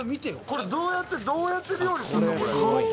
これどうやって料理すんの？